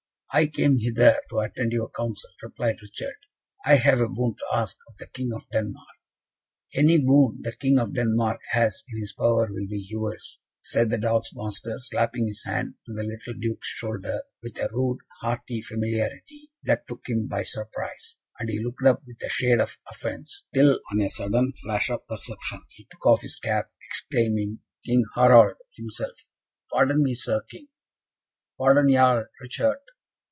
"I came hither to attend your council," replied Richard. "I have a boon to ask of the King of Denmark." "Any boon the King of Denmark has in his power will be yours," said the dog's master, slapping his hand on the little Duke's shoulder, with a rude, hearty familiarity, that took him by surprise; and he looked up with a shade of offence, till, on a sudden flash of perception, he took off his cap, exclaiming, "King Harald himself! Pardon me, Sir King!" "Pardon, Jarl Richart!